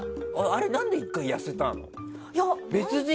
あれ、何で１回痩せたの？